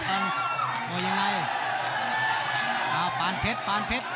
สั่งเดินไว้เร็บเร็ว